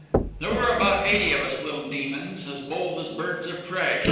There were about eighty of us little demons, as bold as birds of prey.